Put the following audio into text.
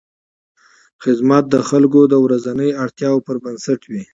خدمت د خلکو د ورځنیو اړتیاوو پر بنسټ وي.